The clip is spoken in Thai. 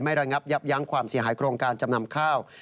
ระงับยับยั้งความเสียหายโครงการจำนำข้าว